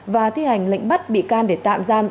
và thi hành lệnh bắt bị can để tạm giam